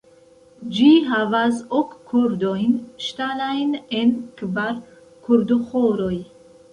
Ĝi havas ok kordojn ŝtalajn en kvar kordoĥoroj.